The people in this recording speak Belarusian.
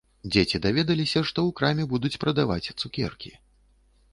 Дзеці даведаліся, што ў краме будуць прадаваць цукеркі.